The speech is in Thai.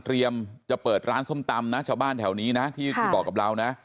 จะเปิดร้านส้มตำนะชาวบ้านแถวนี้นะที่บอกกับเรานะ